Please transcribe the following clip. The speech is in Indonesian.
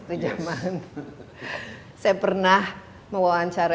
saya pernah mewawancarainya